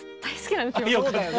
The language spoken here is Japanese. そうだよね。